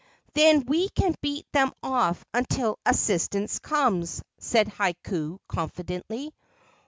"Then we can beat them off until assistance comes," said Hakau, confidently.